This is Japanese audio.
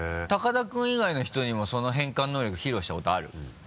高田君以外の人にもその変換能力披露したことある？